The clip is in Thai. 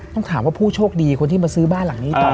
ต้องถามว่าผู้โชคดีคนที่มาซื้อบ้านหลังนี้ต่อ